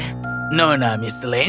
tapi dia belum membayar biaya putrinya